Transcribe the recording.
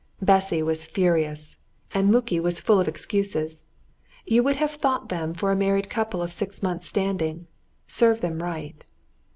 Bessy was furious, and Muki was full of excuses; you would have taken them for a married couple of six months' standing. Serve them right!